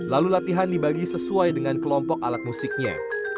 lalu latihan dibagi sesuai dengan kelompok alat musiknya